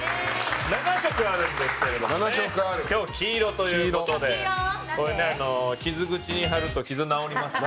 ７色あるんですけれども今日は黄色ということでこれ、傷口に貼ると傷治ります。